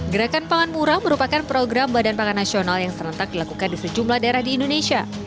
gerakan pangan murah merupakan program badan pangan nasional yang serentak dilakukan di sejumlah daerah di indonesia